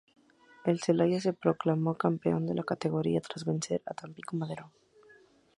El Celaya se proclamó campeón de la categoría tras vencer al Tampico Madero.